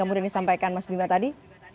kemudian disampaikan mas bima tadi